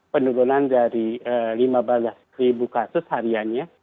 penurunan dari lima belas ribu kasus hariannya